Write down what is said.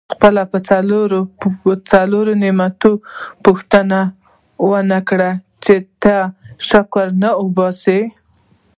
د خپلو نعمتونو پوښتنه ونه کړي چې ته یې شکر نه وباسې.